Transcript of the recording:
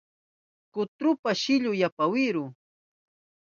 Kuntrupa shillun yapa wilu